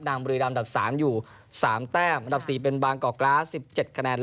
บุรีรำดับ๓อยู่๓แต้มอันดับ๔เป็นบางกอกกราส๑๗คะแนน